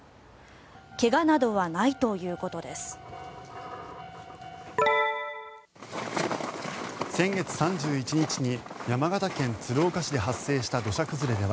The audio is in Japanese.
怪我などはないということです。